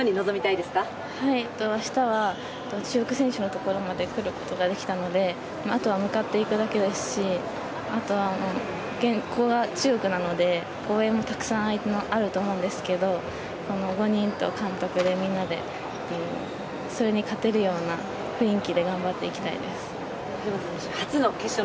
明日は中国選手のところまで来ることができたのであとは向かっていくだけですし、あとはもう、ここが中国なので応援もたくさんあると思うんですけど、５人と監督でみんなでそれに勝てるような雰囲気で頑張っていきたいです。